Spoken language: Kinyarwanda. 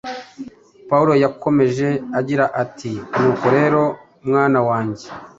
Pawulo yakomeje agira ati: “Nuko rero, mwana wanjye,